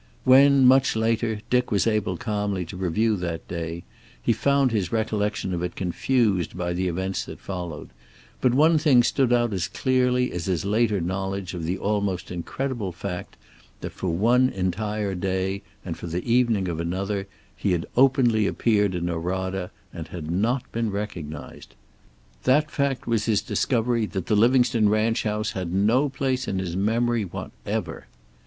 When, much later, Dick was able calmly to review that day, he found his recollection of it confused by the events that followed, but one thing stood out as clearly as his later knowledge of the almost incredible fact that for one entire day and for the evening of another, he had openly appeared in Norada and had not been recognized. That fact was his discovery that the Livingstone ranch house had no place in his memory whatever.